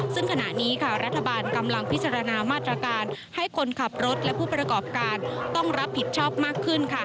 ซึ่งขณะนี้รัฐบาลกำลังพิจารณามาตรการให้คนขับรถและผู้ประกอบการต้องรับผิดชอบมากขึ้น